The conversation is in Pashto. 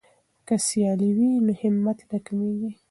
که سیالي وي نو همت نه کمیږي.